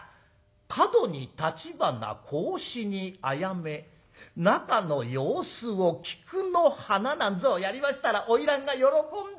『角に橘格子にあやめ中の様子を菊の花』なんぞやりましたら花魁が喜んでね！